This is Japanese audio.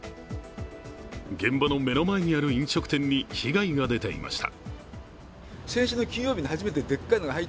現場の目の前にある飲食店に被害が出ていました。